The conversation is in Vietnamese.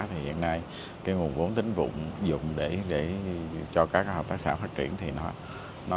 hiện nay nguồn vốn tính vụ dụng cho các hợp tác xã phát triển